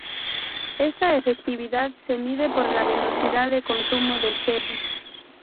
Esta efectividad se mide por la velocidad de consumo del cebo.